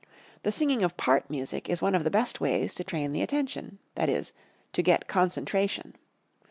The singing of part music is one of the best ways to train the attention that is, to get Concentration.